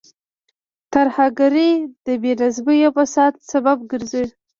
ترهګرۍ د بې نظمۍ او فساد سبب ګرځي.